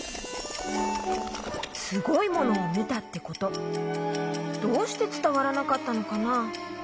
すごいものをみたってことどうしてつたわらなかったのかな？